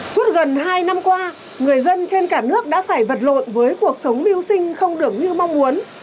suốt gần hai năm qua người dân trên cả nước đã phải vật lộn với cuộc sống mưu sinh không được như mong muốn